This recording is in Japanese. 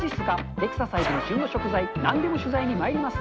エクササイズに旬の食材、なんでも取材にまいります。